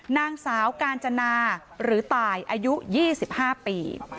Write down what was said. นางสาวกาญจนาหรือตายอายุ๒๕ปี